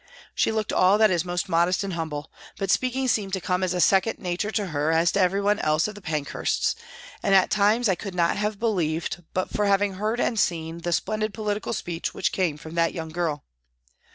She looked all that is most modest and humble, but speaking seemed to come as a second nature to her as to everyone of the Pank hursts, and at times I could not have believed, but for having heard and seen, the splendid political speech which came from that young girl.